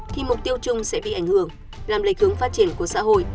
thì mục tiêu chung sẽ bị ảnh hưởng làm lây hướng phát triển của xã hội